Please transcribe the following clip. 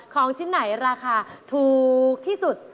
ของชิ้นไหนราคาถูกที่สุด